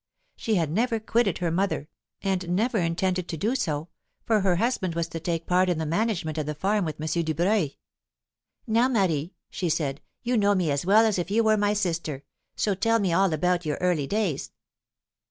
She had never quitted her mother, and never intended to do so, for her husband was to take part in the management of the farm with M. Dubreuil. 'Now, Marie,' she said, 'you know me as well as if you were my sister. So tell me all about your early days.'